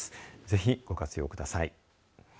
ぜひご活用ください。